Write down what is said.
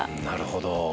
なるほど。